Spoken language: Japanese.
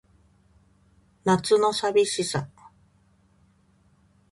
夏の淋しさ